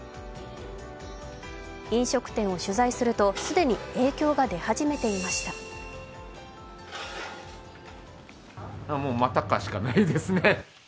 飲食店を取材すると既に影響が出始めていました。